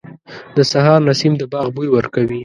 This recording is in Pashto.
• د سهار نسیم د باغ بوی ورکوي.